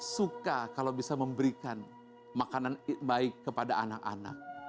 suka kalau bisa memberikan makanan baik kepada anak anak